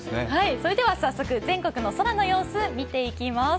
早速、全国の空の様子、見ていきます。